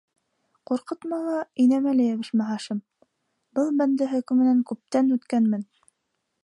Ҡурҡытма ла, инәмә лә йәбешмә, Хашим: бел - бәндә хөкөмөнән күптән үткәнмен!